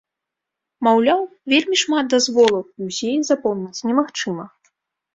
Маўляў, вельмі шмат дазволаў і ўсе іх запомніць немагчыма.